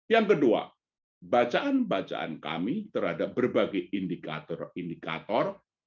yang kedua bacaan bacaan kami terhadap berbagai indikator indikator